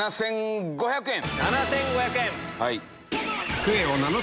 ７５００円。